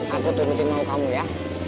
aku tunggu tinggal kamu ya